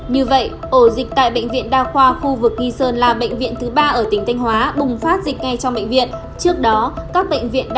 như vậy ổ dịch tại bệnh viện đa khoa khu vực nghi sơn là bệnh viện thứ ba ở tỉnh thanh hóa bùng phát dịch ngay trong bệnh viện